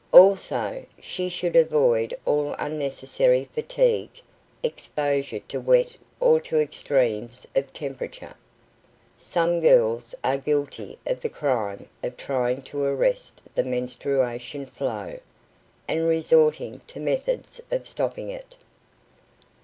Also, she should avoid all unnecessary fatigue, exposure to wet or to extremes of temperature. Some girls are guilty of the crime of trying to arrest the menstruation flow, and resorting to methods of stopping it.